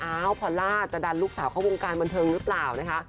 พอลล่าจะดันลูกสาวเข้าวงการบันเทิงหรือเปล่านะคะ